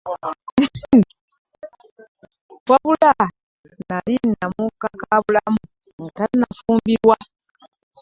Wabula nnali namukankabulamu nga tannafumbirwa.